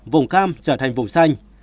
vùng cam trở thành vùng xanh